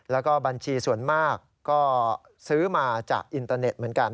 แล้วก็บัญชีส่วนมากก็ซื้อมาจากอินเตอร์เน็ตเหมือนกัน